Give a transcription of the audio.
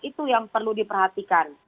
itu yang perlu diperhatikan